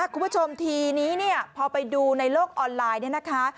คุณผู้ชมทีนี้เนี่ยพอไปดูในโลกออนไลน์เนี่ยนะคะ